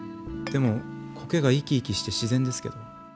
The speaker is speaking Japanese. でも苔が生き生きして自然ですけど。